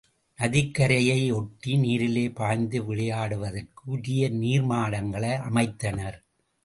நதிக்கரையை ஒட்டி நீரிலே பாய்ந்து விளையாடுதற்கு உரிய நீர்மாடங்களை அமைத்தனர்.